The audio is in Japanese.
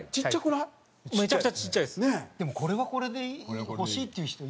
でもこれはこれで欲しいっていう人いるよ。